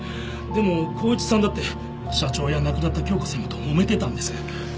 でも幸一さんだって社長や亡くなった鏡子専務ともめてたんです。